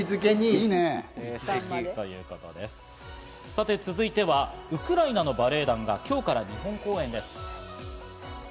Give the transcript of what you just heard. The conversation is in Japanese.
さて続いては、ウクライナのバレエ団が今日から日本公演です。